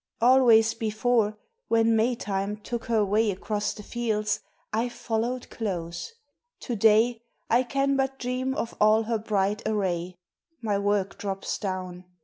Always before, when Maytime took her way Across the fields, I followed close. To day I can but dream of all her bright array. My work drops down.